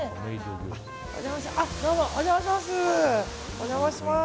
お邪魔します。